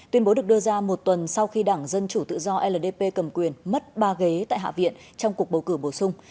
tuyên bố được đưa ra một tuần sau khi đảng dân chủ tự do ldp cầm quyền mất ba ghế tại hạ viện trong cuộc bầu cử bổ sung